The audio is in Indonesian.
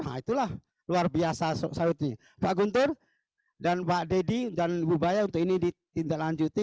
nah itulah luar biasa sawitnya pak guntur dan pak deddy dan ibu baya untuk ini ditindaklanjuti